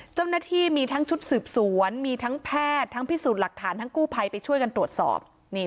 เจ้าหน้าที่มีทั้งชุดสืบสวนมีทั้งแพทย์ทั้งพิสูจน์หลักฐานทั้งกู้ภัยไปช่วยกันตรวจสอบ